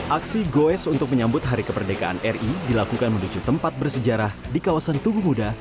aksi goes untuk menyambut hari kemerdekaan ri dilakukan menuju tempat bersejarah di kawasan tugu muda